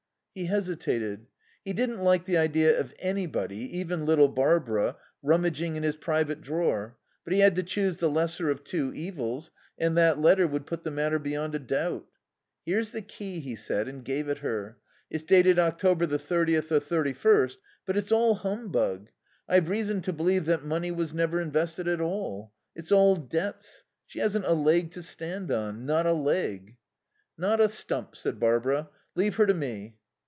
He hesitated. He didn't like the idea of anybody, even little Barbara, rummaging in his private drawer, but he had to choose the lesser of two evils, and that letter would put the matter beyond a doubt. "Here's the key," he said, and gave it her. "It's dated October the thirtieth or thirty first. But it's all humbug. I've reason to believe that money was never invested at all. It's all debts. She hasn't a leg to stand on. Not a leg." "Not a stump," said Barbara. "Leave her to me."